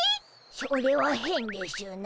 それはへんでしゅな。